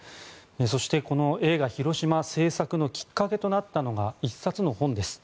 そしてこの映画「ひろしま」製作のきっかけとなったのが１冊の本です。